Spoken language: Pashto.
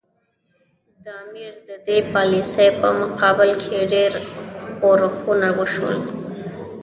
د امیر د دې پالیسي په مقابل کې ډېر ښورښونه وشول.